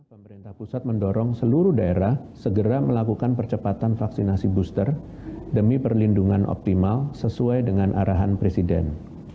pemerintah pusat mendorong seluruh daerah segera melakukan percepatan vaksinasi booster demi perlindungan optimal sesuai dengan arahan presiden